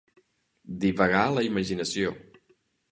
Divagar la imaginació.